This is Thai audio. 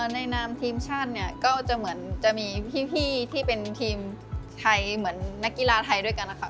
ในนามทีมชาติเนี่ยก็จะเหมือนจะมีพี่ที่เป็นทีมไทยเหมือนนักกีฬาไทยด้วยกันนะคะ